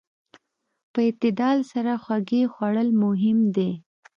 په اعتدال سره خوږې خوړل مهم دي.